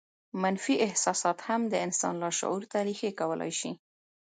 منفي احساسات هم د انسان لاشعور ته رېښې کولای شي